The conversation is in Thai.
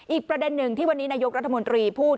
อีกประเด็นหนึ่งที่วันนี้นายกรัฐมนตรีพูด